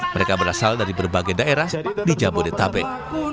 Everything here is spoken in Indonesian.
mereka berasal dari berbagai daerah di jabodetabek